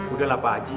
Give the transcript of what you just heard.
udahlah pak haji